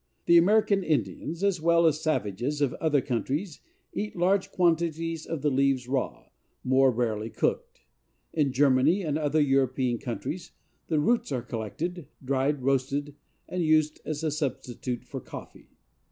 The American Indians as well as savages of other countries eat large quantities of the leaves raw, more rarely cooked. In Germany and other European countries the roots are collected, dried, roasted and used as a substitute for coffee.